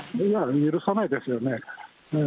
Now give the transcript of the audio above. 許さないですよね。